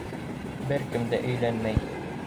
Бер кем дә өйләнмәй!